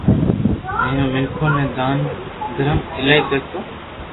ھين او منيکون ني دان درم ايلائي ڪرتو